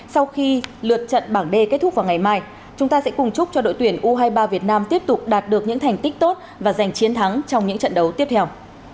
sau khi lượt trận bảng d kết thúc vào ngày mai chúng ta sẽ cùng chúc cho đội tuyển u hai mươi ba việt nam tiếp tục đạt được những thành tích tốt và giành chiến thắng trong những trận đấu tiếp theo